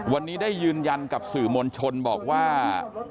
วันนี้ได้ยืนยันกับสื่อมวลชนบอกว่า